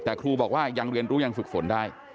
แต่ครูบอกว่ายังเรียนรู้ยังฝึกฝนได้